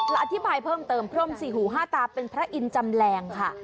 และอธิบายเพิ่มเติมพรมสี่หูห้าตาเป็นพระอินทร์จำแรงค่ะ